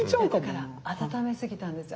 だから温めすぎたんですよ。